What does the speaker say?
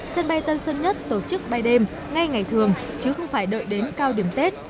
sân bay tân sơn nhất tổ chức bay đêm ngay ngày thường chứ không phải đợi đến cao điểm tết